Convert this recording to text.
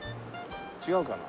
違うかな？